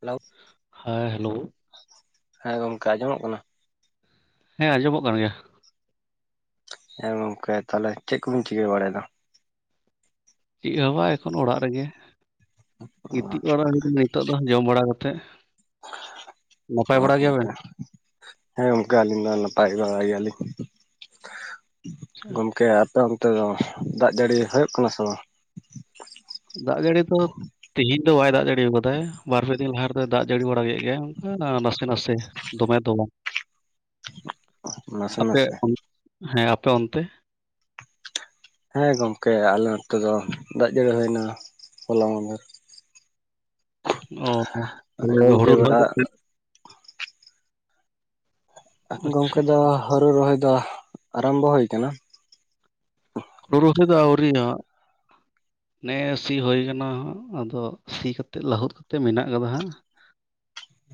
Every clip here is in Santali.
ᱦᱤᱞᱳ ᱦᱮᱸᱻ ᱦᱮᱞᱳ ᱦᱮᱸ ᱜᱚᱝᱠᱮ ᱟᱸᱡᱚᱢᱚᱜ ᱠᱟᱱᱟ? ᱦᱮᱸ ᱟᱸᱡᱚᱢᱚᱜ ᱠᱟᱱ ᱜᱮᱭᱟ᱾ ᱦᱮᱸ ᱜᱚᱝᱠᱮ ᱛᱟᱦᱚᱞᱮ ᱪᱮᱫ ᱠᱚᱵᱤᱱ ᱪᱤᱠᱟᱹ ᱵᱟᱲᱟᱭᱮᱫᱟ? ᱪᱮᱫ ᱦᱚᱸ ᱵᱟᱝ ᱮᱠᱷᱚᱱ ᱚᱲᱟᱜ ᱨᱮᱜᱮ ᱜᱤᱛᱤᱡ ᱵᱟᱲᱟ ᱦᱩᱭᱩᱜ ᱠᱟᱱᱟ ᱱᱤᱛᱚᱜ ᱫᱚ ᱡᱚᱢ ᱵᱟᱲᱟ ᱠᱟᱛᱮᱫ ᱚ ᱱᱟᱯᱟᱭ ᱵᱟᱲᱟ ᱜᱮᱭᱟᱵᱮᱱ ᱜᱚᱢᱠᱮ ᱦᱮᱸ ᱜᱚᱢᱠᱮ ᱟᱹᱞᱤᱧ ᱫᱚ ᱱᱟᱯᱟᱭ ᱵᱟᱲᱟᱭ ᱜᱮᱭᱟᱞᱤᱧ ᱟᱪᱪᱷᱟ, ᱜᱚᱢᱠᱮ ᱚᱱᱛᱮ ᱫᱚ ᱫᱟᱜ ᱡᱟᱹᱲᱤ ᱦᱩᱭᱩᱜ ᱠᱟᱱᱟ ᱥᱮ ᱵᱟᱝ? ᱫᱟᱜ ᱡᱟᱹᱲᱤ ᱫᱚ ᱛᱮᱤᱦᱮᱧ ᱫᱚ ᱵᱟᱭ ᱫᱟᱜ ᱡᱟᱹᱲᱤ ᱟᱠᱟᱫᱟᱭ ᱵᱟᱨ ᱯᱮ ᱫᱤᱱ ᱞᱟᱦᱟ ᱨᱮᱫᱚᱭ ᱫᱟᱜ ᱡᱟᱹᱲᱤ ᱵᱟᱲᱟ ᱠᱮᱫ ᱜᱮᱟᱭ ᱚᱱᱠᱟ ᱱᱟᱥᱮ-ᱱᱟᱥᱮ ᱫᱚᱢᱮ ᱫᱚ ᱱᱟᱥᱮ ᱟᱯᱮ ᱱᱟᱥᱮ? ᱦᱮᱸ ᱟᱯᱮ ᱚᱱᱛᱮ ᱦᱮᱸ ᱜᱚᱝᱠᱮ ᱟᱞᱮ ᱱᱚᱛᱮ ᱫᱚ ᱫᱟᱜ ᱡᱟᱹᱲᱤ ᱦᱩᱭᱱᱟ ᱦᱚᱞᱟ ᱢᱟᱦᱫᱮᱨ [inaudible] ᱚᱸ ᱦᱚᱸ ᱧᱤᱫᱟᱹ ᱦᱩᱲᱩ ᱵᱮᱲᱟ ᱨᱮᱦᱚᱸᱭ ᱟᱪᱪᱷᱟ ᱜᱚᱝᱠᱮ ᱫᱚ ᱦᱩᱲᱩ ᱨᱚᱦᱚ-ᱭ ᱫᱚ᱾ ᱟᱨᱟᱢᱵᱚ ᱦᱳᱭ ᱟᱠᱟᱱᱟ᱾ ᱦᱩᱲᱩ ᱨᱳᱦᱚ-ᱭ ᱫᱚ ᱟᱹᱣᱨᱤᱼᱭᱟ᱾ ᱱᱮ ᱥᱤ ᱦᱳᱭ ᱠᱟᱱᱟ᱾ ᱦᱟᱜ ᱟᱫᱚ ᱥᱤ ᱠᱟᱛᱮ, ᱞᱟᱹᱦᱩᱫ ᱠᱟᱛᱮ, ᱢᱮᱱᱟ-ᱜ ᱠᱟᱫᱟ ᱦᱟᱸᱜ [inaudible]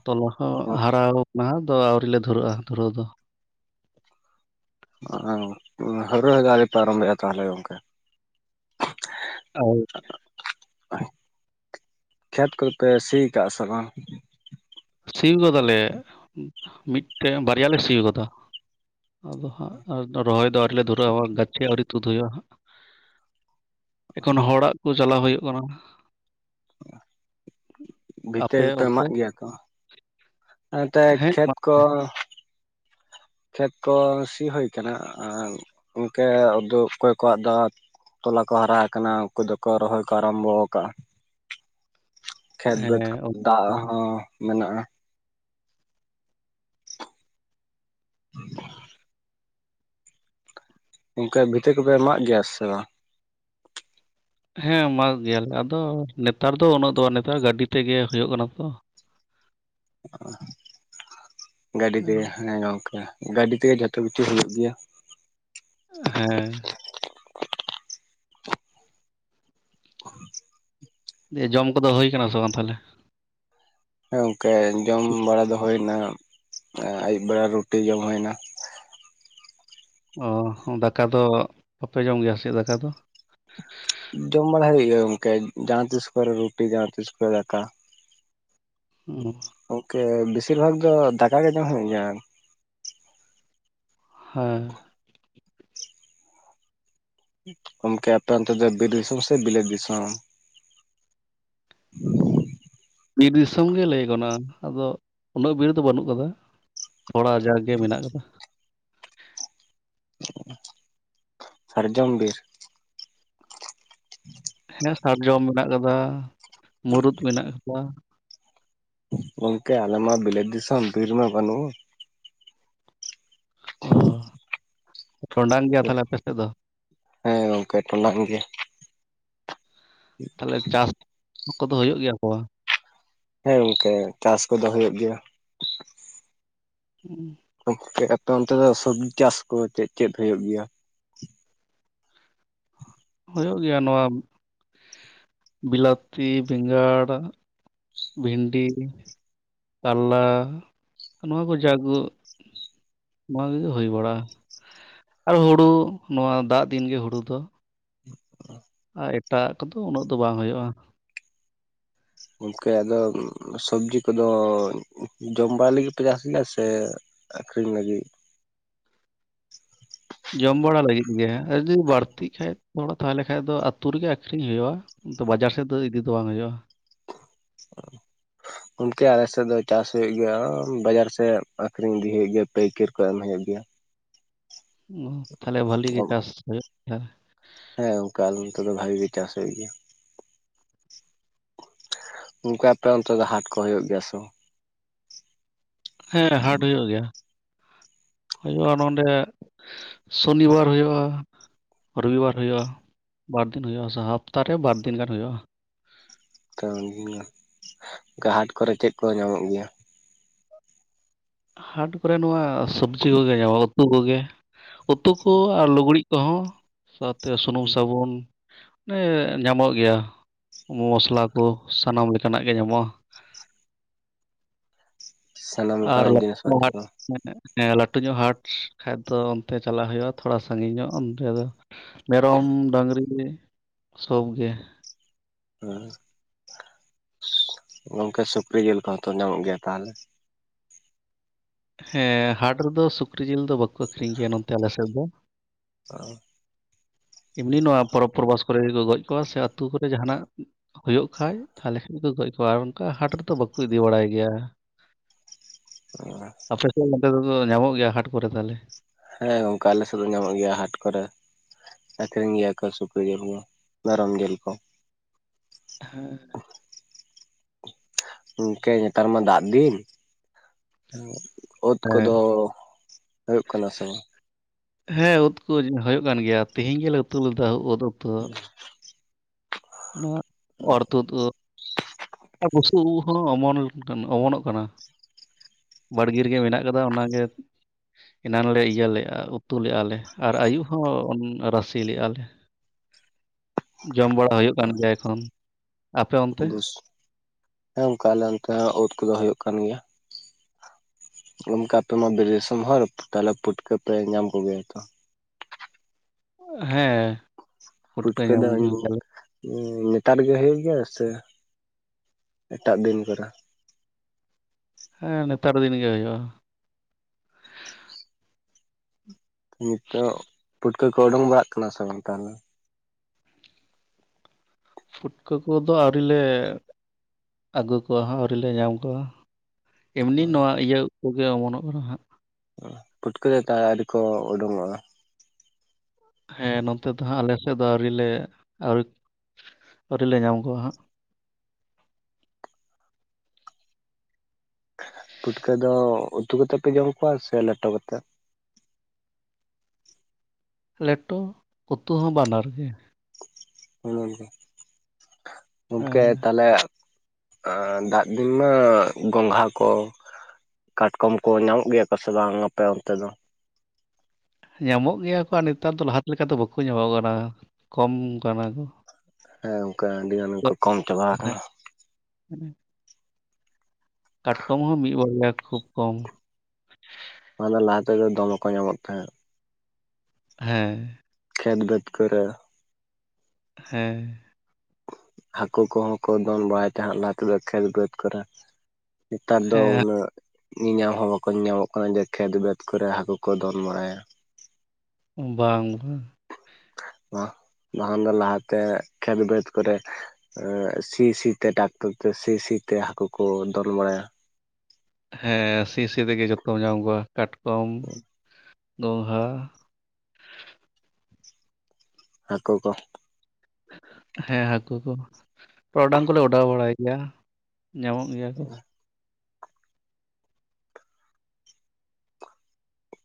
ᱛᱚᱞᱟ ᱦᱚᱸ ᱦᱟᱨᱟᱱᱟ᱾ ᱫᱚ ᱟᱹᱣᱨᱤ ᱞᱮ ᱫᱷᱽᱩᱨᱟᱹᱜᱼᱟ᱾ ᱫᱷᱽᱩᱨᱟᱹᱣ ᱫᱚ᱾ ᱦᱟᱹᱨᱩ ᱜᱮ, ᱯᱮ ᱟᱨᱟᱨᱚᱢᱮᱜᱼᱟ᱾ ᱛᱟᱦᱚᱞᱮ ᱜᱚᱝᱠᱮ᱾ ᱚᱸᱻ᱾ ᱠᱷᱮᱛ ᱠᱚᱫᱚᱯᱮ, ᱥᱤ ᱠᱟᱜᱼᱟ ᱾ᱥᱮ ᱵᱟᱝ? ᱥᱤ ᱠᱟᱫᱟ ᱞᱮ ᱾ᱢᱤᱫᱴᱮᱱ, ᱵᱟᱨᱭᱟ, ᱞᱮ ᱥᱤ ᱠᱟᱫᱟ᱾ ᱟᱫᱚ ᱦᱟᱸᱜ ᱾ᱨᱚᱦᱚᱭ ᱫᱚ ᱟᱹᱣᱨᱤ ᱞᱮ, ᱫᱷᱽᱩᱨᱟᱹᱜᱼᱟ᱾ ᱜᱟᱪᱷᱤ ᱟᱹᱣᱨᱤ ᱛᱩᱫ ᱦᱩᱭᱩᱜᱼᱟ ᱾ᱦᱟᱸᱜ ᱮᱠᱷᱚᱱ ᱦᱚᱲᱟ-ᱜ ᱠᱚ᱾ ᱪᱟᱞᱟ-ᱣ ᱦᱩᱭᱩ-ᱜ ᱠᱟᱱᱟ᱾ ᱵᱷᱽᱤᱛᱟᱹ ᱟᱯᱮ ᱠᱚ-ᱯᱮ, ᱚᱱᱛᱮ ᱢᱟᱜ ᱜᱮᱭᱟ ᱛᱚ᱾ ᱛᱮ ᱦᱮᱸ ᱢᱟ, ᱠᱷᱮᱛ ᱠᱚ᱾ ᱠᱷᱮᱛ ᱠᱚ᱾ ᱥᱤ ᱦᱩᱭ ᱟᱠᱟᱱᱟ᱾ ᱟᱨ ᱜᱚᱝᱠᱮ ᱾ ᱟᱫᱳ ᱚᱠᱚᱭ ᱠᱚᱣᱟ-ᱜ ᱫᱚ ᱛᱚᱞᱟ ᱠᱚ, ᱦᱟᱨᱟ ᱟᱠᱟᱱᱟ ᱾ᱩᱱᱠᱩ ᱫᱚ-ᱠᱚ ᱨᱚᱦᱚ-ᱭ ᱠᱚ᱾ ᱟᱨᱟᱢᱵᱷᱚ ᱟᱠᱟᱫᱟᱼᱟ᱾ ᱠᱷᱮᱛ, ᱵᱟᱹᱛ, ᱠᱚ ᱦᱮᱸ ᱫᱟᱜ ᱦᱚᱸ ᱢᱮᱱᱟᱜᱼᱟ᱾ ᱦ [inaudible] ᱜᱚᱝᱠᱮ ᱵᱷᱽᱤᱛᱹᱟ ᱠᱚ-ᱯᱮ, ᱢᱟᱜ ᱜᱮᱭᱟ᱾ ᱥᱮ ᱵᱟᱝ? ᱦᱮᱸ ᱢᱟᱜ ᱜᱮᱭᱟᱞᱮ᱾ ᱟᱫᱚ ᱱᱮᱛᱟᱨ ᱫᱚ᱾ ᱩᱱᱟᱹᱜ ᱫᱚ, ᱱᱮᱛᱟᱨ ᱜᱟᱹᱰᱤ ᱛᱮᱜᱮ ᱦᱩᱭᱩ-ᱜ ᱠᱟᱱᱟ᱾ ᱛᱚ ᱜᱟᱹᱰᱤ ᱛᱮ ᱾ᱦᱮᱸ ᱜᱚᱝᱠᱮ ᱜᱟᱹᱰᱤ ᱛᱮᱜᱮ᱾ ᱡᱷᱚᱛᱚ ᱠᱤᱪᱷᱩ ᱦᱩᱭᱩ-ᱜ ᱜᱮᱭᱟ᱾ ᱦᱮᱸ᱾ ᱫᱤᱭᱮ ᱡᱚᱢ ᱠᱚ-ᱫᱚ᱾ ᱦᱩᱭ ᱟᱠᱟᱱᱟ ᱥᱮ᱾ ᱵᱟᱝ ᱛᱟᱦᱚᱞᱮ? ᱦᱮᱸ ᱜᱚᱝᱠᱮ᱾ ᱡᱚᱢ ᱵᱟᱲᱟ ᱫᱚ, ᱦᱚᱭᱱᱟ᱾ ᱟᱹᱭᱩᱵ ᱵᱮᱲᱟ ᱨᱩᱴᱤ, ᱡᱚᱢ ᱦᱩᱭᱱᱟ᱾ ᱚᱸ ᱫᱟᱠᱟ ᱫᱚ᱾ ᱵᱟᱯᱮ ᱡᱚᱢ ᱜᱮᱭᱟ᱾ ᱪᱮᱫ ᱫᱟᱠᱟ ᱫᱚ᱾ ᱡᱚᱢ ᱵᱟᱲᱟ ᱦᱩᱭᱩᱜᱼᱟ᱾ ᱜᱚᱝᱠᱮ ᱡᱟᱦᱟᱸ ᱛᱤᱥ ᱠᱚᱨᱮ, ᱨᱩᱴᱤ ᱡᱟᱦᱟᱸ ᱛᱤᱥ ᱠᱚᱨᱮ, ᱫᱟᱠᱟ᱾ ᱦᱩᱸᱻ᱾ ᱜᱚᱝᱠᱮ ᱾ᱵᱮᱥᱤᱨ ᱵᱷᱟ-ᱜ ᱫᱚ᱾ ᱫᱟᱠᱟ ᱜᱮ ᱡᱚᱢ ᱦᱩᱭᱩ-ᱜ ᱜᱮᱭᱟ᱾ ᱦᱮᱸ᱾ ᱜᱚᱝᱠᱮ ᱾ᱚᱱᱛᱮ ᱫᱚ, ᱵᱤᱨ ᱫᱤᱥᱚᱢ ᱥᱮ᱾ ᱵᱤᱞᱮᱛ ᱫᱤᱥᱚᱢ? ᱵᱤᱨ ᱫᱤᱥᱚᱢ ᱜᱮ, ᱞᱟᱹᱭ ᱜᱚᱱᱚᱜᱼᱟ᱾ ᱟᱫᱚ ᱩᱱᱟᱹᱜ ᱵᱤᱨ ᱫᱚ, ᱵᱟᱹᱱᱩᱜᱸ ᱟᱠᱟᱫᱟ᱾ ᱛᱷᱚᱲᱟ ᱡᱟᱠ ᱜᱮ ᱾ᱢᱮᱱᱟ-ᱜ ᱟᱠᱟᱫᱟ᱾ ᱥᱟᱨᱡᱚᱢ ᱵᱤᱨ? [inaudible] ᱦᱮᱸ ᱥᱟᱨᱡᱚᱢ ᱢᱮᱱᱟ-ᱜ ᱟᱠᱟᱫᱟ᱾ ᱢᱩᱨᱩᱫᱽ ᱢᱮᱱᱟ-ᱜ ᱟᱠᱟᱫᱟ᱾ ᱜᱚᱝᱠᱮ ᱟᱞᱮᱢᱟ ᱾ᱵᱤᱞᱮᱫ ᱫᱤᱥᱚᱢ ᱾ᱵᱤᱨ ᱢᱟ᱾ ᱵᱟᱹᱱᱩᱜ-ᱟ᱾ ᱚᱸ ᱴᱚᱺᱰᱟᱝ ᱜᱮᱭᱟ᱾ ᱛᱟᱦᱚᱞᱮ ᱟᱯᱮ ᱥᱮᱫ ᱫᱚ? ᱦᱮᱸ ᱜᱚᱝᱠᱮ᱾ ᱴᱚᱺᱰᱟᱝ ᱜᱮᱭᱟ᱾ ᱛᱟᱦᱚᱞᱮ᱾ ᱪᱟᱥ ᱠᱚ-ᱫᱚ ᱦᱩᱭᱩ-ᱜ ᱜᱮᱭᱟ᱾ ᱠᱚ? ᱦᱮᱸ ᱜᱚᱝᱠᱮ ᱾ᱪᱟᱥ ᱠᱚ-ᱫᱚ ᱦᱩᱭᱩ-ᱜ ᱜᱮᱭᱟ᱾ ᱦᱮᱸ᱾ ᱜᱚᱝᱠᱮ ᱾ᱟᱯᱮ ᱚᱱᱛᱮ ᱫᱚ, ᱥᱚᱵᱽᱡᱤ ᱪᱟᱥ ᱠᱚ, ᱪᱮᱫ - ᱪᱮᱫ ᱦᱩᱭᱩ-ᱜ ᱜᱮᱭᱟ? ᱦᱩᱭᱩ-ᱜ ᱜᱮᱭᱟ᱾ ᱱᱚᱣᱟ ᱵᱤᱞᱟᱹᱛᱤ, ᱵᱮᱸᱜᱟᱲ, ᱵᱷᱤᱱᱰᱤ, ᱠᱟᱞᱞᱟ ᱱᱚᱣᱟ ᱠᱚ ᱡᱟᱜᱚ ᱱᱚᱣᱟ ᱠᱚᱜᱮ ᱦᱩᱭ ᱵᱟᱲᱟᱜᱼᱟ ᱟᱨ ᱦᱩᱲᱩ ᱱᱚᱣᱟ ᱫᱟᱜ ᱫᱤᱱ ᱜᱮ ᱦᱩᱲᱩ ᱫᱚ ᱾ [inaudible] ᱟᱨ ᱮᱴᱟᱜ ᱠᱚᱫᱚ ᱩᱱᱟᱹᱜ ᱫᱚ ᱵᱟᱝ ᱦᱩᱭᱩᱜᱼᱟ᱾ ᱜᱚᱢᱠᱮ ᱟᱫᱚ ᱥᱚᱵᱽᱡᱤ ᱠᱚᱫᱚ ᱡᱚᱢ ᱵᱟᱲᱟ ᱞᱟᱹᱜᱤᱫ ᱯᱮ ᱪᱟᱥ ᱜᱮᱭᱟ ᱥᱮ? ᱟᱹᱠᱷᱨᱤᱧ ᱞᱟᱹᱜᱤᱫ? ᱡᱚᱢ ᱵᱟᱲᱟ ᱞᱟᱹᱜᱤᱫ ᱜᱮ ᱟᱨ ᱡᱩᱫᱤ ᱵᱟᱹᱲᱛᱤᱜ ᱠᱷᱟᱡ ᱛᱷᱚᱲᱟ ᱛᱟᱦᱚᱞᱮ ᱠᱷᱟᱡ ᱫᱚ ᱟᱹᱛᱩ ᱨᱮᱜᱮ ᱟᱠᱷᱨᱤᱧ ᱦᱩᱭᱩᱜᱼᱟ᱾ ᱛᱚ ᱵᱟᱡᱟᱨ ᱥᱮᱫ ᱫᱚ ᱤᱫᱤ ᱫᱚ ᱵᱟᱝ ᱦᱩᱭᱩᱜᱼᱟ? ᱚ ᱾ ᱜᱚᱢᱠᱮ ᱟᱞᱮ ᱥᱮᱫ ᱫᱚ ᱪᱟᱥ ᱦᱩᱭᱩᱜ ᱜᱮᱭᱟ ᱵᱟᱡᱟᱨ ᱥᱮᱜ ᱟᱠᱷᱨᱤᱧ ᱤᱫᱤ ᱦᱩᱭᱩᱜ ᱜᱮᱭᱟ ᱯᱟᱹᱭᱠᱟᱹᱨ ᱠᱚ ᱮᱢ ᱦᱩᱭᱩᱜ ᱜᱮᱭᱟ᱾ ᱚ ᱛᱟᱦᱚᱞᱮ ᱵᱷᱟᱹᱞᱤ ᱜᱮ ᱪᱟᱥ ᱦᱩᱭᱩᱜ ᱜᱮᱭᱟ ᱵᱟ! ᱦᱮᱸ ᱜᱚᱢᱠᱮ ᱟᱞᱮ ᱱᱚᱛᱮ ᱫᱚ ᱵᱷᱟᱜᱮ ᱜᱮ ᱪᱟᱥ ᱦᱩᱭᱩᱜ ᱜᱮᱭᱟ᱾ ᱜᱚᱢᱠᱮ ᱟᱯᱮ ᱚᱱᱛᱮ ᱫᱚ ᱦᱟᱴ ᱠᱚ ᱦᱩᱭᱩᱜ ᱜᱮᱭᱟ ᱥᱮ ᱵᱟᱝ? ᱦᱮᱸ ᱦᱟᱴ ᱦᱩᱭᱩᱜ ᱜᱮᱭᱟ ᱦᱩᱭᱩᱜᱼᱟ ᱱᱚᱸᱰᱮ ᱥᱚᱱᱤᱵᱟᱨ ᱦᱳᱭᱳᱜᱼᱟ᱾ ᱨᱚᱵᱤᱵᱟᱨ ᱦᱩᱭᱩᱜᱼᱟ, ᱵᱟᱨ ᱫᱤᱱ ᱦᱩᱭᱩᱜᱼᱟ ᱥᱚ ᱦᱟᱯᱛᱟᱨᱮ ᱵᱟᱨᱫᱤᱱ ᱜᱟᱱ ᱦᱩᱭᱩᱜᱼᱟ᱾ ᱛᱚ ᱠᱮᱵᱦᱟᱴ ᱠᱚᱨᱮ ᱪᱮᱜ ᱠᱚ ᱧᱟᱢᱚᱜ ᱜᱮᱭᱟ? ᱦᱟᱴ ᱠᱚᱨᱮ ᱱᱚᱣᱟ ᱥᱚᱵᱽᱡᱤ ᱠᱚᱜᱮ ᱧᱟᱢᱚ ᱩᱛᱩ ᱠᱚᱜᱮ, ᱩᱛᱩ ᱠᱚ ᱟᱨ ᱞᱩᱜᱽᱲᱤᱡ ᱠᱚᱦᱚᱸ ᱥᱟᱶᱛᱮ ᱥᱩᱱᱩᱢ ᱥᱟᱵᱩᱱ ᱮ ᱧᱟᱢᱚᱜ ᱜᱮᱭᱟ ᱢᱚᱥᱞᱟ ᱠᱚ ᱥᱟᱱᱟᱢ ᱞᱮᱠᱟᱱᱟᱜ ᱜᱮ ᱧᱟᱢᱚᱜᱼᱟ᱾ ᱥᱟᱱᱟᱢ ᱟᱨ ᱞᱮᱠᱟᱱᱟᱜ ᱡᱤᱱᱤᱥ ᱞᱟᱴᱩ ᱯᱟᱛᱤ ᱦᱟᱴ ᱠᱚ ᱦᱮᱸ, ᱞᱟᱹᱴᱩ ᱧᱚᱜ ᱦᱟᱴ ᱠᱷᱟᱡ ᱫᱚ ᱚᱱᱛᱮ ᱪᱟᱞᱟᱜ ᱦᱩᱭᱩᱜᱼᱟ ᱛᱷᱚᱲᱟ ᱥᱟᱺᱜᱤᱧ ᱧᱚᱜ ᱚᱱᱛᱮ ᱫᱚ ᱢᱮᱨᱚᱢ ᱰᱟᱝᱨᱤ ᱜᱮ, ᱥᱚᱵ ᱜᱮ᱾ ᱦᱩᱸ, ᱜᱚᱝᱠᱮ ᱥᱩᱠᱨᱤ ᱡᱤᱞ ᱠᱚᱦᱚᱸ ᱛᱚ ᱧᱟᱢᱚᱜ ᱜᱮᱭᱟ ᱛᱟᱦᱚᱞᱮ? ᱦᱮᱸ ᱦᱟᱴ ᱨᱮᱫᱚ ᱥᱩᱠᱨᱤ ᱡᱤᱞ ᱫᱚ ᱵᱟᱠᱚ ᱟᱹᱷᱨᱤᱧ ᱜᱮᱭᱟ ᱱᱚᱛᱮ ᱟᱞᱮ ᱥᱮᱫ ᱫᱚ᱾ ᱚ ᱾ ᱮᱢᱱᱤ ᱱᱚᱣᱟ ᱯᱚᱨᱚᱵᱽ ᱯᱨᱚᱵᱷᱟᱥ ᱠᱚᱨᱮ ᱜᱮ ᱠᱚ ᱜᱚᱡ ᱠᱚᱜᱣᱟ ᱥᱮ ᱟᱹᱛᱩ ᱠᱚᱨᱮ ᱡᱟᱦᱟᱱᱟᱜ ᱦᱳᱭᱳᱜ ᱠᱷᱟᱡ ᱛᱟᱦᱚᱞᱮ ᱠᱷᱟᱡ ᱜᱮ ᱠᱚ ᱜᱚᱡ ᱠᱚᱜᱼᱟ ᱟᱨ ᱚᱝᱠᱟ ᱦᱟᱴ ᱨᱮᱛᱚ ᱵᱟᱠᱚ ᱤᱫᱤ ᱵᱟᱲᱟᱭ ᱜᱮᱭᱟ᱾ ᱚ ᱾ ᱟᱯᱮ ᱥᱮᱫ ᱱᱚᱛᱮ ᱫᱚ ᱧᱟᱢᱚᱜ ᱜᱮᱭᱟ ᱦᱟᱴ ᱠᱚᱨᱮ ᱛᱟᱦᱚᱞᱮ? ᱦᱮᱸ, ᱜᱚᱢᱠᱮ ᱟᱞᱮ ᱥᱮᱫ‌ ᱫᱚ ᱧᱟᱢᱚᱜ ᱜᱮᱭᱟ ᱦᱟᱴ ᱠᱚᱨᱮ ᱾ ᱟᱹᱷᱨᱤᱧ ᱜᱮᱭᱟ ᱠᱚ ᱥᱩᱠᱨᱤ ᱡᱤᱞ ᱢᱟ ᱢᱮᱨᱚᱢ ᱡᱮᱞ ᱠᱚ᱾ ᱦᱮᱸ ᱾ ᱜᱚᱝᱠᱮ ᱧᱮᱛᱟᱨ ᱢᱟ ᱫᱟᱜ ᱫᱤᱱ ᱮᱸᱜ ᱳᱸᱫ ᱠᱚᱫᱚ ᱦᱮᱸ, ᱦᱳᱭᱳᱜ ᱠᱟᱱᱟ ᱥᱮ ᱵᱟᱝ? ᱦᱮᱸ ᱩᱸᱫ ᱠᱚ ᱦᱩᱭᱩᱜ ᱠᱟᱱ ᱜᱮᱭᱟ ᱛᱤᱦᱤᱧ ᱜᱮᱞᱮ ᱩᱛᱩ ᱞᱮᱫᱟ ᱩᱸᱫ ᱩᱛᱩ ᱦᱚᱸ᱾ ᱚᱱᱟ ᱚᱨᱛᱩᱫ ᱳᱫ ᱾ [inaudible] ᱟᱨ ᱵᱩᱥᱩᱵ ᱩᱜ ᱦᱚᱸ ᱚᱢᱚᱱ ᱚᱢᱚᱱᱚᱜ ᱠᱟᱱᱟ ᱾ ᱵᱟᱲᱜᱮ ᱨᱮᱜᱮ ᱢᱮᱱᱟᱜ ᱠᱟᱫᱟ ᱚᱱᱟᱜᱮ ᱾ ᱮᱱᱟᱱ ᱞᱮ ᱤᱭᱟᱹ ᱞᱮᱜᱼᱟ ᱩᱛᱩ ᱞᱮᱜᱼᱟ ᱞᱮ ᱟᱨ ᱟᱹᱭᱩᱵ ᱦᱚᱸ ᱨᱟᱥᱮ ᱞᱮᱜᱼᱟ ᱞᱮ ᱾ [inaudible] ᱡᱚᱢ ᱵᱟᱲᱟ ᱦᱩᱭᱩᱜ ᱠᱟᱱ ᱜᱮᱭᱟ ᱮᱠᱷᱚᱱ ᱟᱯᱮ ᱚᱱᱛᱮ? ᱵᱩᱥ ᱦᱮᱸ, ᱚᱝᱠᱟ ᱟᱞᱮ ᱚᱱᱛᱮ ᱦᱚᱸ ᱳᱫ ᱠᱚᱫᱚ ᱦᱩᱭᱩᱜ ᱠᱟᱱ ᱜᱮᱭᱟ ᱾ ᱚᱱᱠᱟ ᱟᱯᱮ ᱢᱟ ᱵᱤᱨ ᱫᱤᱥᱚᱢ ᱦᱚᱲ ᱛᱟᱦᱞᱮ ᱯᱩᱴᱠᱟᱹ ᱯᱮ ᱧᱟᱢ ᱠᱚᱜᱮᱭᱟ ᱛᱚ? ᱦᱮᱸ ᱾ ᱯᱩᱴᱠᱟᱹ ᱫᱩᱧᱼᱼ ᱱᱮᱛᱟᱨ ᱜᱮ ᱦᱩᱭᱩᱜ ᱜᱮᱭᱟ ᱥᱮ ᱮᱴᱟᱜ ᱫᱤᱱ ᱠᱚᱨᱮ? ᱦᱮᱸ ᱱᱮᱛᱟᱨ ᱫᱤᱱ ᱜᱮ ᱦᱩᱭᱩᱜᱼᱟ ᱾ ᱱᱤᱛᱚᱜ ᱯᱩᱹᱴᱠᱟᱹ ᱠᱚ ᱚᱰᱚᱝ ᱵᱟᱲᱟᱜ ᱠᱟᱱᱟ ᱥᱮ ᱵᱟᱝ ᱛᱟᱦᱞᱮ? ᱯᱩᱹᱴᱠᱟᱹ ᱠᱚᱫᱚ ᱟᱹᱣᱨᱤ ᱞᱮ ᱟᱹᱜᱩ ᱠᱚᱣᱟ ᱟᱹᱣᱨᱤ ᱞᱮ ᱧᱟᱢ ᱠᱚᱣᱟ ᱾ ᱮᱢᱱᱤ ᱱᱚᱣᱟ ᱤᱭᱟᱹ ᱠᱚᱜᱮ ᱚᱢᱚᱱᱚᱜ ᱠᱟᱱᱟ ᱦᱟᱸᱜᱼᱼ ᱯᱩᱴᱠᱟᱹ ᱦᱟᱠᱟᱜ ᱟᱹᱨᱤ ᱠᱚ ᱚᱰᱚᱝᱚᱜᱼᱟ ᱾ ᱦᱮᱸ ᱱᱚᱛᱮ ᱫᱚ ᱦᱟᱸᱜ ᱟᱞᱮ ᱥᱮᱫ ᱫᱚ ᱟᱹᱣᱨᱤᱞᱮ, ᱟᱹᱣᱨᱤ ᱟᱹᱣᱨᱤᱞᱮ ᱧᱟᱢ ᱠᱚᱣᱟ ᱦᱟᱸᱜ ᱾ ᱯᱩᱴᱠᱟᱹ ᱫᱚ ᱩᱛᱩ ᱠᱟᱛᱮ ᱯᱮ ᱡᱚᱢ ᱠᱚᱣᱟ ᱥᱮ ᱞᱮᱴᱚ ᱠᱟᱛᱮ? ᱞᱮᱴᱚ, ᱩᱛᱩ ᱦᱚᱸ ᱵᱟᱱᱟᱨ ᱜᱮ ᱾ ᱦᱩᱸ ᱜᱚᱝᱠᱮ ᱦᱮᱸ ᱛᱟᱦᱞᱮᱼᱼ ᱮᱻ ᱫᱟᱜ ᱫᱤᱱ ᱢᱟ ᱜᱚᱸᱜᱷᱟ ᱠᱚᱼᱼ ᱠᱟᱴᱠᱚᱢ ᱠᱚ ᱧᱟᱢᱚᱜ ᱜᱮᱭᱟ ᱠᱚ ᱥᱮ ᱵᱟᱝ ᱟᱯᱮ ᱚᱱᱛᱮ ᱫᱚ? ᱧᱟᱢᱚᱜ ᱜᱮᱭᱟ ᱠᱚ ᱟᱨ ᱱᱮᱛᱟᱨ ᱫᱚ ᱞᱟᱦᱟ ᱞᱮᱠᱟ ᱫᱚ ᱵᱟᱠᱚ ᱧᱟᱢᱚᱜ ᱠᱟᱱᱟ ᱠᱚᱢ ᱠᱟᱱᱟ ᱠᱚ ᱾ ᱦᱮᱸ ᱚᱱᱠᱟ ᱟᱹᱰᱤ ᱜᱟᱱ ᱜᱮᱠᱚ ᱠᱚᱢ ᱪᱟᱵᱟ ᱟᱠᱟᱱᱟ ᱾ ᱦᱮᱸ [inaudible] ᱠᱟᱴᱠᱚᱢ ᱦᱚᱸ ᱢᱤᱫ ᱵᱟᱨᱭᱟ ᱠᱷᱩᱵ ᱠᱚᱢ ᱾ ᱚᱱᱟ ᱞᱟᱦᱟ ᱛᱮᱫᱚ ᱫᱚᱢᱮ ᱠᱚ ᱧᱟᱢᱚᱜ ᱛᱟᱦᱮᱸᱫ ᱾ ᱦᱮᱸ ᱾ ᱠᱷᱮᱛ ᱵᱟᱹᱛ ᱠᱚᱨᱮ ᱾ ᱦᱮᱸ ᱾ ᱦᱟᱹᱠᱩ ᱠᱚᱦᱚᱸ ᱠᱚ ᱫᱚᱱ ᱵᱟᱲᱟᱭ ᱛᱟᱦᱮᱸᱫ ᱞᱟᱦᱟ ᱛᱮᱫᱚ ᱠᱷᱮᱛ ᱵᱟᱹᱫᱽ ᱠᱚᱨᱮ ᱾ ᱱᱮᱛᱟᱨ ᱫᱚ ᱦᱮᱸ ᱩᱱᱟᱹᱜᱼᱼ ᱧᱮᱧᱟᱢ ᱦᱚᱸ ᱵᱟᱠᱚ ᱧᱮᱞ ᱧᱟᱢᱚᱜ ᱠᱟᱱᱟ ᱡᱮ ᱠᱷᱮᱛ ᱵᱟᱹᱫᱽ ᱠᱚᱨᱮ ᱦᱟᱹᱠᱩ ᱠᱚ ᱫᱚᱱ ᱵᱟᱲᱟᱭᱟ ᱾ ᱵᱟᱝ ᱵᱟᱝ ᱾ ᱵᱟ ᱵᱟᱠᱷᱟᱱ ᱫᱚ ᱞᱟᱦᱟᱛᱮ ᱠᱷᱮᱛ ᱵᱟᱹᱫᱽ ᱠᱚᱨᱮᱼᱼ ᱥᱤ ᱥᱤᱛᱮ ᱴᱟᱠᱴᱚᱨ ᱛᱮ ᱥᱤ ᱥᱤᱛᱮ ᱦᱟᱹᱠᱩ ᱠᱚ ᱫᱚᱱ ᱵᱟᱲᱟᱭᱟ ᱾ ᱦᱮᱸ, ᱥᱤ ᱥᱤ ᱛᱮᱜᱮ ᱡᱚᱛᱚᱢ ᱧᱟᱢ ᱠᱚᱣᱟ ᱠᱟᱴᱠᱚᱢ, ᱜᱚᱸᱜᱷᱟᱼᱼ ᱦᱟᱹᱠᱩ ᱠᱚ ᱾ ᱦᱮᱸ ᱦᱟᱹᱠᱩ ᱠᱚ, ᱴᱚᱨᱚᱰᱟᱝ ᱠᱚᱞᱮ ᱚᱰᱟᱣ ᱵᱟᱲᱟᱭ ᱜᱮᱭᱟ ᱧᱟᱢᱚᱜ ᱜᱮᱭᱟ ᱠᱚ ᱾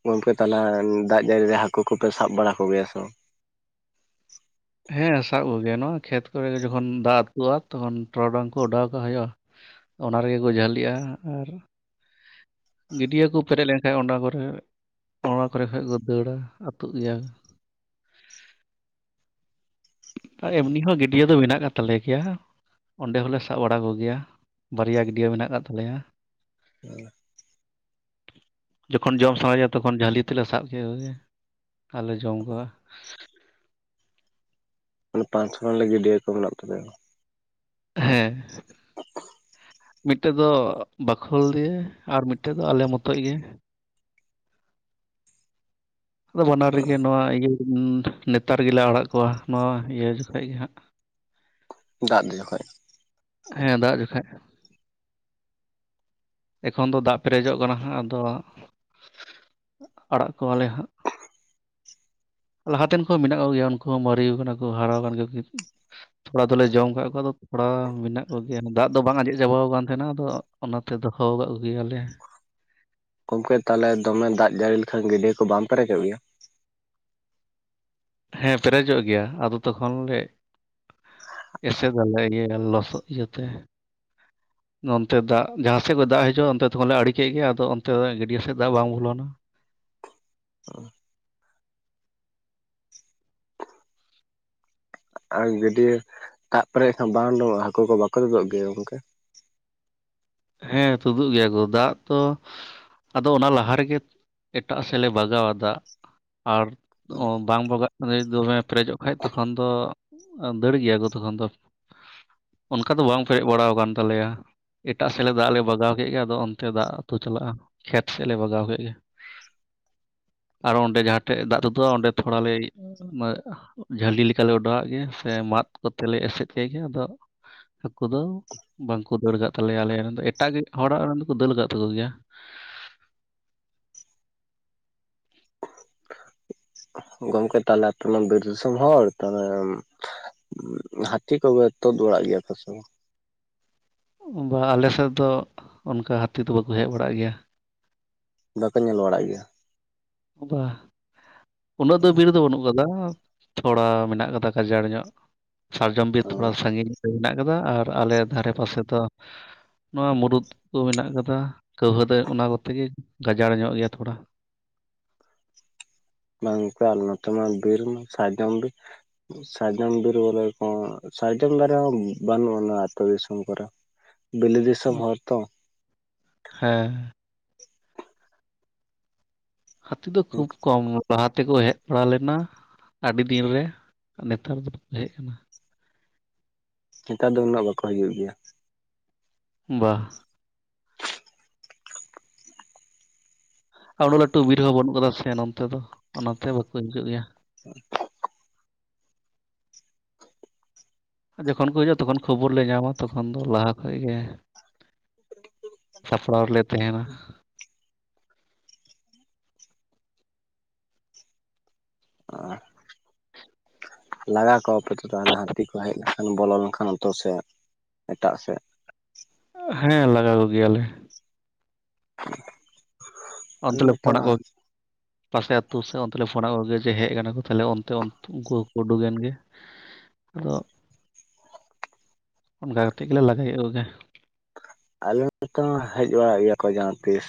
ᱜᱚᱝᱠᱮ ᱛᱟᱦᱞᱮ ᱫᱟᱜ ᱡᱟᱹᱲᱤ ᱨᱮ ᱦᱟᱹᱠᱩ ᱠᱚᱯᱮ ᱥᱟᱵ ᱵᱟᱲᱟ ᱠᱚᱜᱮᱭᱟ ᱥᱮ ᱵᱟᱝ? ᱦᱮᱸ ᱥᱟᱵ ᱠᱚᱜᱮᱭᱟ ᱱᱚᱣᱟ ᱠᱷᱮᱛ ᱠᱚᱨᱮ ᱡᱚᱠᱷᱚᱱ ᱫᱟᱜ ᱟᱹᱛᱩᱜᱼᱟ ᱛᱚᱠᱷᱚᱱ ᱴᱚᱨᱚᱰᱟᱝ ᱠᱚ ᱚᱰᱟᱣ ᱠᱟᱜ ᱦᱩᱭᱩᱜᱼᱟ ᱾ ᱚᱱᱟ ᱨᱮᱜᱮ ᱠᱚ ᱡᱷᱟᱹᱞᱤᱜᱼᱟ ᱟᱨᱼᱼ ᱜᱟᱹᱰᱭᱟᱹ ᱠᱚ ᱯᱮᱨᱮᱡ ᱞᱮᱱᱠᱷᱟᱱ ᱚᱱᱟ ᱠᱚᱨᱮᱼᱼ ᱚᱱᱟ ᱠᱚᱨᱮ ᱠᱷᱚᱱ ᱠᱚ ᱫᱟᱹᱲᱟ ᱟᱹᱛᱩᱜ ᱜᱮᱭᱟ ᱠᱚ ᱾ ᱮᱢᱱᱤ ᱦᱚᱸ ᱜᱟᱹᱰᱭᱟᱹ ᱫᱚ ᱢᱮᱱᱟᱜ ᱟᱠᱟᱫ ᱛᱟᱞᱮ ᱜᱮᱭᱟ ᱾ ᱚᱸᱰᱮ ᱦᱚᱞᱮ ᱥᱟᱵ ᱵᱟᱲᱟ ᱠᱚᱜᱮᱭᱟ ᱵᱟᱨᱭᱟ ᱜᱟᱹᱰᱭᱟᱹ ᱢᱮᱱᱟᱜ ᱟᱠᱟᱫ ᱛᱟᱞᱮᱭᱟ ᱾ ᱦ [unintelligible] ᱡᱚᱠᱷᱚᱱ ᱡᱚᱢ ᱥᱟᱱᱟ ᱜᱮᱭᱟ ᱛᱚᱠᱷᱚᱱ ᱡᱷᱟᱹᱞᱤ ᱛᱮᱞᱮ ᱥᱟᱵ ᱠᱮᱫ ᱠᱚᱜᱮ ᱟᱨᱞᱮ ᱡᱚᱢ ᱠᱚᱣᱟ ᱾ ᱢᱟᱱᱮ ᱯᱟᱸᱪ ᱪᱷᱚ ᱜᱟᱱ ᱜᱟᱹᱰᱤᱭᱟᱹ ᱠᱚ ᱢᱮᱱᱟᱜ ᱛᱟᱯᱮᱭᱟ ᱾ ᱦᱮᱸ ᱾ ᱢᱤᱫᱴᱮᱱ ᱫᱚ ᱵᱟᱠᱷᱩᱞ ᱫᱤᱭᱮ ᱟᱨ ᱢᱤᱫᱴᱮᱱ ᱫᱚ ᱟᱞᱮ ᱢᱚᱛᱚᱡ ᱜᱮ ᱾ ᱟᱫᱚ ᱵᱟᱱᱟᱨ ᱨᱮᱜᱮ ᱱᱚᱣᱟ ᱤᱭᱟᱹ ᱱᱮᱛᱟᱨ ᱜᱮᱞᱮ ᱟᱲᱟᱜ ᱠᱚᱣᱟ, ᱱᱚᱣᱟ ᱤᱭᱟᱹ ᱡᱚᱠᱷᱟ ᱜᱮ ᱦᱟᱸᱜ ᱾ ᱫᱟᱜ ᱤᱫᱤ ᱡᱚᱠᱷᱚᱡᱼᱼ ᱦᱮᱸ ᱫᱟᱜ ᱡᱚᱠᱷᱟ ᱮᱠᱷᱚᱱ ᱫᱚ ᱫᱟᱜ ᱯᱮᱨᱮᱡᱚᱜ ᱠᱟᱱᱟ ᱟᱫᱚ ᱟᱲᱟᱜ ᱠᱚᱣᱟᱞᱮ ᱦᱟᱸᱜ ᱞᱟᱦᱟᱛᱮᱱ ᱠᱚᱦᱚ ᱢᱮᱱᱟᱜ ᱠᱚᱜᱮᱭᱟ ᱩᱱᱠᱩ ᱦᱚᱸ ᱢᱟᱨᱮ ᱠᱟᱱᱟ ᱠᱚ ᱦᱟᱨᱟ ᱟᱠᱟᱱ ᱜᱮᱭᱟ ᱛᱷᱚᱲᱟ ᱫᱚᱞᱮ ᱡᱚᱢ ᱠᱟᱜ ᱠᱚᱣᱟ ᱟᱫᱚ ᱛᱷᱚᱲᱟ ᱢᱮᱱᱟᱜ ᱠᱚᱜᱮᱭᱟ ᱫᱟᱜ ᱫᱚ ᱵᱟᱝ ᱟᱸᱮᱫ ᱪᱟᱵᱟᱣ ᱟᱠᱟᱱ ᱛᱟᱦᱮᱱᱟ ᱟᱫᱚ ᱚᱱᱟᱛᱮ ᱫᱚᱦᱚ ᱠᱟᱫ ᱠᱚᱜᱮ ᱭᱟᱞᱮ ᱜᱚᱢᱠᱮ ᱛᱟᱦᱚᱞᱮ ᱫᱚᱢᱮ ᱫᱟᱜ ᱡᱟᱹᱲᱤ ᱞᱮᱠᱷᱟᱱ ᱜᱤᱰᱭᱟᱹ ᱠᱚ ᱵᱟᱢ ᱯᱮᱨᱮᱡᱚᱜ ᱜᱮᱭᱟ ᱦᱮᱸ ᱯᱮᱨᱮᱡᱚᱜ ᱜᱮᱭᱟ ᱟᱫᱚ ᱛᱚᱠᱷᱚᱱ ᱞᱮ ᱮᱥᱮ ᱫᱟᱞᱮ ᱤᱭᱟᱹ ᱞᱚᱥᱚᱫ ᱤᱭᱟᱹᱛᱮ [inaudible] ᱱᱚᱱᱛᱮ ᱫᱟᱜ ᱡᱟᱦᱟᱸ ᱥᱮᱫ ᱠᱷᱚᱡ ᱫᱟᱜ ᱦᱤᱡᱩᱜᱼᱟ ᱚᱱᱛᱮ ᱛᱚᱠᱷᱚᱱ ᱞᱮ ᱟᱲᱮᱤᱠᱮᱫ ᱜᱮᱤ ᱟᱫᱚ ᱚᱱᱛᱮ ᱜᱟᱹᱰᱭᱟᱹ ᱥᱮᱫ ᱫᱟᱜ ᱵᱟᱝ ᱵᱚᱞᱚᱱᱟ ᱟᱨ ᱜᱟᱹᱰᱭᱟᱹ ᱫᱟᱜ ᱯᱮᱨᱮᱡ ᱠᱷᱟᱱ ᱵᱟᱝ ᱩᱚᱜᱼᱟ ᱦᱟᱹᱠᱩ ᱠᱚ ᱵᱟᱠᱚ ᱛᱩᱚᱫᱚᱜ ᱜᱮᱭᱟ ᱜᱚᱝᱠᱮ ᱦᱮᱸ ᱛᱩᱫᱩᱜ ᱜᱮᱭᱟ ᱠᱚ ᱫᱟᱜ ᱛᱚ ᱟᱫᱚ ᱚᱱᱟ ᱞᱟᱦᱟ ᱨᱮᱜᱮ ᱮᱴᱟᱜ ᱥᱮᱫ ᱞᱮ ᱵᱟᱜᱟᱣᱟ ᱫᱟᱜ ᱟᱨ ᱵᱟᱝ ᱵᱟᱜᱟᱜ ᱫᱚᱢᱮ ᱯᱮᱨᱮᱡᱚᱜ ᱠᱷᱟᱱᱡ ᱛᱚᱠᱷᱚᱱ ᱫᱚ ᱫᱟᱹᱲ ᱜᱮᱭᱟ ᱠᱚ ᱛᱚᱠᱷᱚᱱ ᱫᱚ ᱚᱱᱠᱟ ᱫᱚ ᱵᱟᱝ ᱯᱮᱨᱮᱡ ᱵᱟᱲᱟᱣ ᱟᱠᱟᱱ ᱛᱟᱞᱮᱭᱟ ᱮᱴᱟᱜ ᱥᱮᱫ ᱞᱮ ᱫᱟᱜ ᱞᱮ ᱵᱟᱜᱟᱣ ᱠᱮᱫ ᱜᱮ ᱟᱫᱚ ᱚᱱᱛᱮ ᱫᱟᱜ ᱟᱛᱩ ᱪᱟᱞᱟᱜᱼᱟ ᱠᱷᱮᱛ ᱥᱮᱫ ᱞᱮ ᱵᱟᱜᱟᱣ ᱠᱮᱫ ᱜᱮ ᱟᱨᱚ ᱚᱸᱰᱮ ᱡᱟᱦᱟᱸ ᱴᱷᱮᱡ ᱫᱟᱜ ᱛᱩᱫᱩᱜᱼᱟ ᱚᱸᱰᱮ ᱛᱷᱚᱲᱟᱞᱮ ᱡᱷᱟᱹᱞᱤ ᱞᱮᱠᱟᱞᱮ ᱚᱰᱟᱣᱟᱜ ᱜᱮ ᱥᱮ ᱢᱟᱫ ᱠᱚᱛᱮ ᱞᱮ ᱮᱥᱮᱫ ᱠᱮᱫ ᱜᱮ ᱟᱫᱚ ᱦᱟᱹᱠᱩ ᱫᱚ ᱵᱟᱝᱠᱚ ᱫᱟᱹᱲ ᱠᱟᱜ ᱛᱟᱞᱮᱭᱟ ᱟᱞᱮ ᱨᱮᱱ ᱫᱚ ᱮᱴᱟᱜ ᱦᱚᱲᱟᱜ ᱨᱮᱱ ᱫᱚᱠᱚ ᱫᱟᱹᱲ ᱠᱟᱜ ᱛᱟᱠᱚ ᱜᱮᱭᱟ ᱜᱚᱝᱠᱮ ᱛᱟᱦᱞᱮ ᱟᱯᱮ ᱵᱤᱨ ᱫᱤᱥᱚᱢ ᱦᱚᱲ ᱛᱟᱦᱞᱮ ᱦᱟᱹᱛᱤ ᱠᱚᱜᱮ ᱛᱳᱫ ᱵᱟᱲᱟᱜ ᱜᱮᱭᱟ ᱠᱚ ᱥᱮ ᱵᱟᱝ ᱵᱟ ᱟᱞᱮ ᱥᱮᱫ ᱫᱚ ᱚᱱᱠᱟ ᱦᱟᱹᱛᱤ ᱫᱚ ᱵᱟᱠᱚ ᱦᱮᱡ ᱵᱟᱲᱟᱜ ᱜᱮᱭᱟ ᱵᱟᱠᱚ ᱧᱮᱞ ᱵᱟᱲᱟᱜ ᱜᱮᱭᱟ ᱵᱟᱝ ᱩᱱᱟᱹᱜ ᱫᱚ ᱵᱤᱨ ᱫᱚ ᱵᱟᱹᱱᱩᱜ ᱟᱠᱟᱫᱟ ᱛᱷᱚᱲᱟ ᱢᱮᱱᱟᱜ ᱠᱟᱫᱟ ᱠᱟᱡᱟᱲ ᱧᱚᱜ ᱥᱟᱨᱡᱚᱢ ᱵᱤᱨ ᱛᱷᱚᱲᱟ ᱥᱟᱺᱜᱤᱧ ᱧᱚᱜ ᱜᱮ ᱢᱮᱱᱟᱜ ᱠᱟᱫᱟ ᱟᱨ ᱟᱞᱮ ᱫᱷᱟᱨᱮ ᱯᱟᱥᱮ ᱫᱚᱼᱼ ᱱᱚᱣᱟ ᱢᱩᱩᱨᱩᱩᱫ ᱠᱚ ᱢᱮᱱᱟᱜ ᱠᱟᱫᱟ ᱠᱟᱹᱣᱦᱟᱹ ᱫᱟ ᱚᱱᱟ ᱠᱚᱛᱮ ᱜᱮ ᱜᱟᱡᱟᱲ ᱧᱚᱜ ᱜᱮᱭᱟ ᱛᱷᱚᱲᱟ ᱵᱟᱝ ᱜᱚᱝᱠᱮ ᱱᱚᱛᱮ ᱢᱟ ᱵᱤᱨ ᱥᱟᱨᱡᱚᱢ ᱵᱤᱨ ᱥᱟᱨᱡᱚᱢ ᱵᱤᱨ ᱵᱚᱞᱮ ᱠᱚ ᱥᱟᱨᱡᱚᱢ ᱫᱟᱨᱮ ᱦᱚᱸ ᱵᱟᱹᱱᱩᱜ ᱟ ᱱᱚᱣᱟ ᱟᱹᱛᱩᱳ ᱫᱤᱥᱚᱢ ᱠᱚᱨᱮ ᱵᱤᱞᱟᱤ ᱫᱤᱥᱚᱢ ᱦᱚᱲ ᱛᱚ ᱦᱮᱸ ᱦᱟᱹᱛᱤ ᱫᱚ ᱠᱷᱩᱵᱽ ᱠᱚᱢ ᱞᱟᱦᱟ ᱛᱮᱠᱚ ᱦᱮᱡ ᱵᱟᱲᱟ ᱞᱮᱱᱟ ᱟᱹᱰᱤ ᱫᱤᱱ ᱨᱮ ᱱᱮᱛᱟᱨ ᱫᱚ ᱵᱟᱠᱚ ᱦᱮᱡ ᱟᱠᱟᱱᱟ ᱱᱮᱛᱟᱨ ᱫᱚ ᱩᱱᱟᱹᱜ ᱵᱟᱠᱚ ᱦᱩᱭᱩᱜ ᱜᱮᱭᱟ ᱵᱟ ᱟᱨ ᱩᱱᱟᱹᱜ ᱞᱟᱹᱴᱩ ᱵᱤᱨ ᱦᱚᱸ ᱵᱟᱹᱱᱩᱜ ᱟᱠᱟᱫᱟ ᱥᱮ ᱱᱚᱛᱮ ᱫᱚ ᱚᱱᱟᱛᱮ ᱵᱟᱠᱚ ᱦᱤᱡᱩᱜ ᱜᱮᱭᱟ [inaudible] ᱟᱨ ᱡᱚᱠᱷᱚᱱ ᱠᱚ ᱦᱤᱡᱩᱜᱼᱟ ᱛᱚᱠᱷᱚᱱ ᱠᱷᱚᱵᱚᱨ ᱞᱮ ᱧᱟᱢᱟ ᱛᱚᱠᱷᱚᱱ ᱫᱚ ᱞᱟᱦᱟ ᱠᱷᱚᱡ ᱜᱮ ᱥᱟᱯᱲᱟᱣ ᱞᱮ ᱛᱮᱦᱮᱱᱟ [unintelligible] ᱞᱟᱜᱟ ᱠᱚᱣᱟᱯᱮᱛᱚ ᱛᱟᱦᱚᱞᱮ ᱦᱟᱹᱛᱤ ᱠᱚ ᱦᱮᱡ ᱞᱮᱱᱠᱷᱟᱱ ᱵᱚᱞᱚ ᱞᱮᱱᱠᱷᱟᱱ ᱟᱛᱳ ᱥᱮᱫ ᱮᱴᱟᱜ ᱥᱮᱫ ᱦᱮᱸ ᱞᱟᱜᱟ ᱠᱚᱜᱮᱭᱟᱞᱮ ᱟᱞᱮ ᱚᱱᱛᱮ ᱞᱮ ᱱᱚᱛᱮ ᱯᱷᱱᱟᱜ ᱠᱚ [inaudible] ᱯᱟᱥᱮ ᱟᱹᱛᱩ ᱥᱮᱫ ᱚᱱᱛᱮ ᱞᱮ ᱯᱷᱳᱱᱟᱫ ᱠᱚᱜᱮ ᱡᱮ ᱦᱮᱡ ᱠᱟᱱᱟ ᱠᱚ ᱛᱟᱦᱞᱮ ᱚᱱᱛᱮ ᱩᱱᱠᱩ ᱦᱚᱸᱠᱚ ᱩᱰᱩᱠ ᱮᱱ ᱜᱮ᱾ ᱟᱫᱚ ᱚᱱᱠᱟ ᱠᱟᱛᱮ ᱜᱮᱞᱮ ᱞᱟᱜᱟᱠᱮᱫ ᱠᱚᱜᱮ᱾ ᱟᱞᱮ ᱱᱚᱱᱛᱚ ᱦᱚ ᱦᱮᱡ ᱵᱟᱲᱟᱜ ᱜᱮᱭᱟ ᱠᱚ ᱡᱟᱦᱟᱸ ᱛᱤᱥ᱾